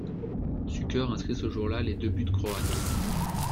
Suker inscrit ce jour là les deux buts croates.